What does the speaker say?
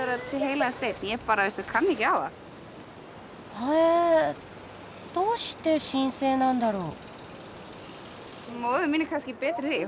へえどうして神聖なんだろう？